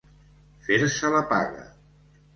Fer-se la paga.